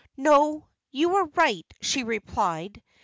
"No; you are right," she replied.